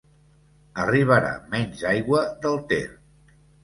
Arribarà menys aigua del Ter.